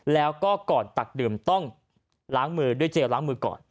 แล้วก็ก่อนตักดื่มต้องล้างมือด้วยเจลล้างมือก่อน